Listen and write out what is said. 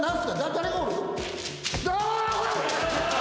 誰がおる？